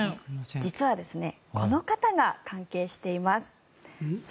実はこの方が関係しています。